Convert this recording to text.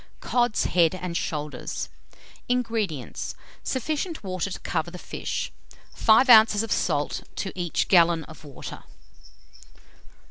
COD'S HEAD AND SHOULDERS. 232. INGREDIENTS. Sufficient water to cover the fish; 5 oz. of salt to each gallon of water.